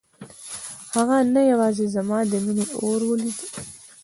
هغه نه یوازې زما د مينې اور ولید.